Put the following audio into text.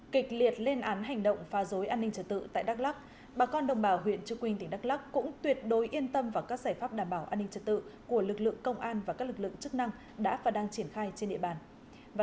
kịch liệt lên án hành động pha dối an ninh trật tự tại đắk lắk bà con đồng bào huyện trương quynh tỉnh đắk lắk cũng tuyệt đối yên tâm vào các giải pháp đảm bảo an ninh trật tự của lực lượng công an và các lực lượng đồng bào